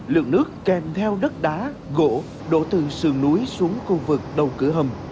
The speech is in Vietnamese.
lượng nước kèm theo đất đá gỗ đổ từ sườn núi xuống khu vực đầu cửa hầm